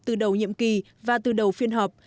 từ đầu nhiệm kỳ và từ đầu phiên họp